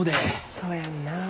そうやんなあ。